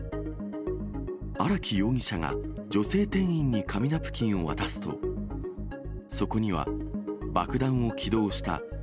荒木容疑者が女性店員に紙ナプキンを渡すと、そこには爆弾を起動した。